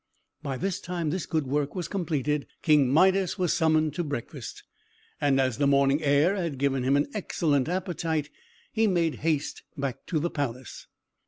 By the time this good work was completed, King Midas was summoned to breakfast; and as the morning air had given him an excellent appetite, he made haste back to the palace.